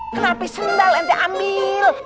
kenapa sendal nanti ambil